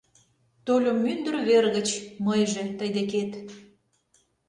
Тольым мӱндыр вер гыч Мыйже тый декет.